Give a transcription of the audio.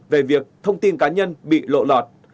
về việc thông tin cá nhân bị lộ lọt